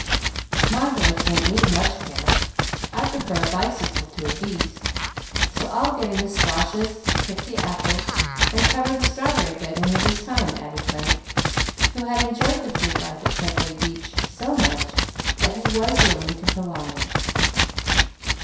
"My horse won't need much care. I prefer a bicycle to a beast, so I'll get in the squashes, pick the apples, and cover the strawberry bed when it is time," added Frank, who had enjoyed the free life at Pebbly Beach so much that he was willing to prolong it.